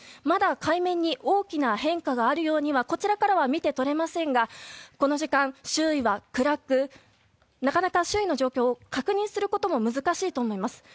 まだ海面に大きな変化があるようにはこちらからは見て取れませんがこの時間、周囲は暗くなかなか周囲の状況を確認することも難しいと思います。